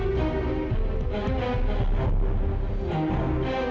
bahasanya mikir tapi masih kulit